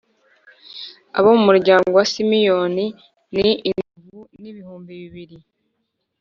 Abo mu muryango wa Simiyoni ni inzovu n’ibihumbi bibiri.